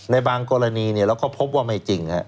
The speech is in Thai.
ในบางกรณีเราก็พบว่าไม่จริง